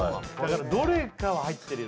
どれかは入ってるよ